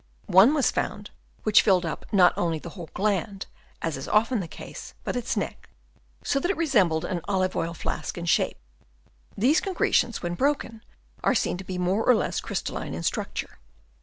One was found which filled up not only the whole gland, as is often the case, but its neck ; so that it resembled an olive oil flask in shape. These concretions when broken are seen to be more or less crystalline in structure.